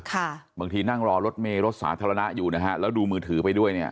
ค่ะบางทีนั่งรอรถเมย์รถสาธารณะอยู่นะฮะแล้วดูมือถือไปด้วยเนี่ย